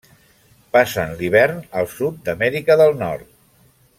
Passen l'hivern al sud d'Amèrica del nord.